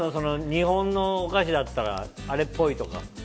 日本のお菓子だったらあれっぽいとか。